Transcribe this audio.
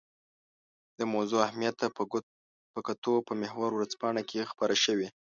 د موضوع اهمیت ته په کتو په محور ورځپاڼه کې خپره شوې.